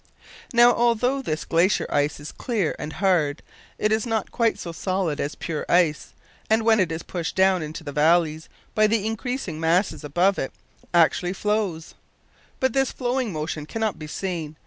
Now, although this glacier ice is clear and hard, it is not quite so solid as pure ice, and when it is pushed down into the valleys by the increasing masses above it, actually flows. But this flowing motion cannot be seen.